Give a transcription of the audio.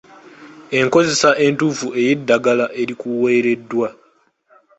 Enkozesa entuufu ey'eddagala erikuweereddwa.